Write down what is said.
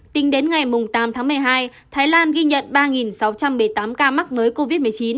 tính đến ngày tám tháng một mươi hai thái lan ghi nhận ba sáu trăm một mươi tám ca mắc mới covid một mươi chín